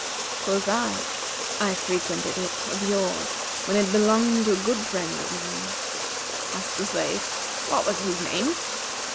Quoth I, 'I frequented it of yore, when it belonged to a good friend of mine.' Asked the slave, 'What was his name?'